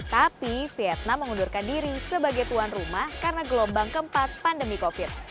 tapi vietnam mengundurkan diri sebagai tuan rumah karena gelombang keempat pandemi covid